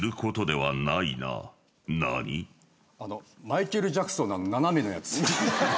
マイケル・ジャクソンの斜めのやつ。